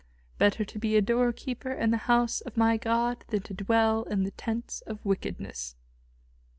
"Better to be a doorkeeper in the house of my God than to dwell in the tents of wickedness."